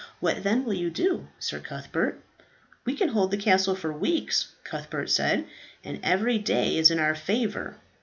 What then will you do, Sir Cuthbert?" "We can hold the castle for weeks," Cuthbert said, "and every day is in our favour.